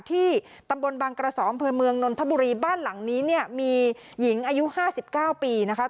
ที่ตำบลบังกระสอมเผือนเมืองนทบุรีบ้านหลังนี้เนี่ยมีหญิงอายุห้าสิบเก้าปีนะคะ